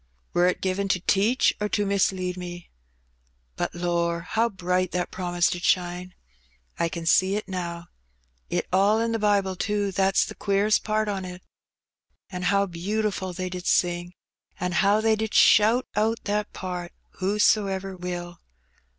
Wur it given to teach or to mis lead me? But, lor', how bright that promise did shine! I ken see it now. It are in the Bible, too, that's the queerest part on it. An' how beautiful they did sing, an' how they did shout out that part, 'Whosoever will.'